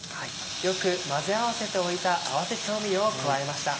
よく混ぜ合わせておいた合わせ調味料を加えました。